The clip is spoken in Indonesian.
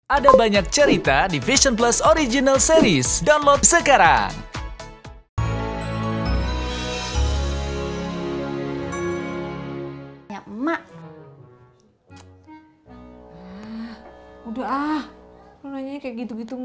ada banyak cerita di vision plus original series download sekarang